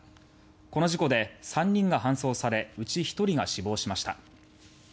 この事故で３人が搬送されうち１人が死亡しました。